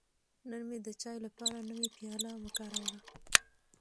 نن مې د چای لپاره نوی پیاله وکاروله.